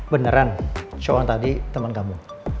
beneran soan tadi temen kamu